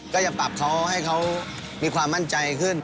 ก็จะปรับเขาให้เขามีความมั่นใจขึ้น